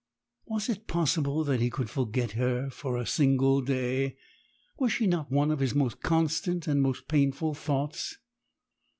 Was it possible that he could forget her for a single day? Was she not still one of his most constant and most painful thoughts?